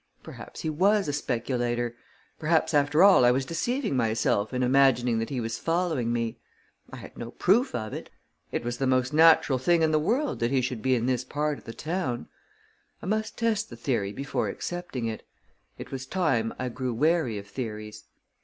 Perhaps he was a speculator; perhaps, after all, I was deceiving myself in imagining that he was following me. I had no proof of it; it was the most natural thing in the world that he should be in this part of the town. I must test the theory before accepting it. It was time I grew wary of theories.